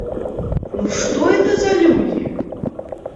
Ну что это за люди?